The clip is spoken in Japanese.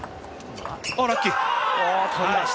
ラッキー！